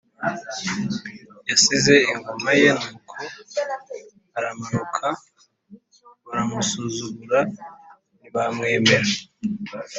Yasize ingoma ye nuko aramanuka baramusuzugura ntibamwemera